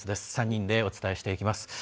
３人でお伝えしていきます。